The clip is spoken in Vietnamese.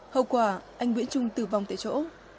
hậu quả anh nguyễn trung tử vong tại chỗ